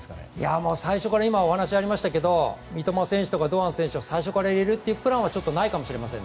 今、お話にありましたが三笘選手や堂安選手を最初から入れるというプランはちょっと、ないかもしれません。